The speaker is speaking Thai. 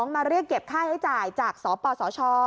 มาเรียกเก็บค่าใช้จ่ายจากสปสช